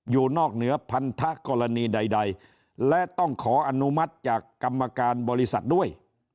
อยู่นอกเหนือพันธกรณีใดและต้องขออนุมัติจากกรรมการบริษัทด้วย